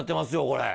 これ。